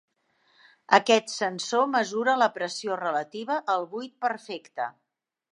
Aquest sensor mesura la pressió relativa al buit perfecte.